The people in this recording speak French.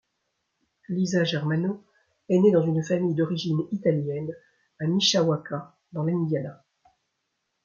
Lisa Germano est née dans une famille d'origine italienne à Mishawaka, dans l'Indiana.